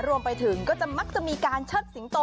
รวมไปถึงก็จะมักจะมีการเชิดสิงโต